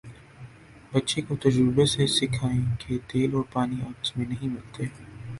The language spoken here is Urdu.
بچے کو تجربے سے سکھائیں کہ تیل اور پانی آپس میں نہیں ملتے